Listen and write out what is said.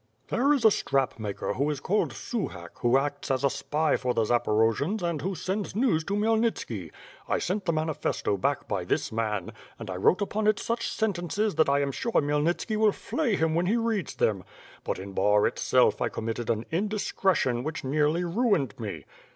"There is a strap maker who is called Suhak who acts as a spy for the Zaporojians and who sends news to Khmyelnitski. I sent the manifesto back by this man, but I wrote upon it such sentences that I am sure Khmyelnitski will flay him when he reads them. But, in Bar itself, I committed an indiscretion which nearly ruined me."